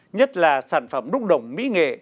nhất là sản phẩm đúc đồng mỹ nghề